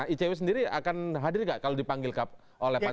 icw sendiri akan hadir gak kalau dipanggil oleh pansus angket